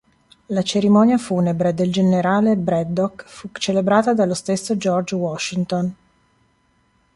La cerimonia funebre del generale Braddock fu celebrata dallo stesso George Washington.